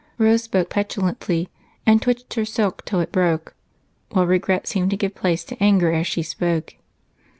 Rose spoke petulantly and twitched her silk till it broke, while regret seemed to give place to anger as she spoke.